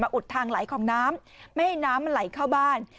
อุดทางไหลของน้ำไม่ให้น้ำมันไหลเข้าบ้าน